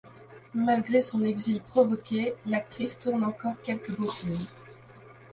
Malgré son exil provoqué, l'actrice tourne encore quelques beaux films.